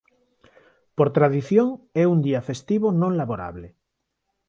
Por tradición é un día festivo non laborable.